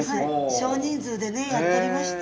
少人数でねやっておりました。